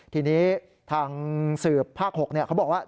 ทีนี้ทางสืบภาค๖เขาบอกว่า